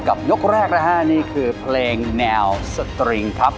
ยกแรกนะฮะนี่คือเพลงแนวสตริงครับ